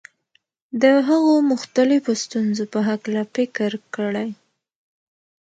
د هغو مختلفو ستونزو په هکله فکر کړی.